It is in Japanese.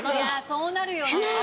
そうなるよね。